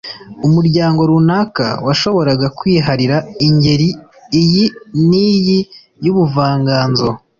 Umuryango runaka washoboraga kwiharira ingeri iyi n’iyi y’ubuvanganzo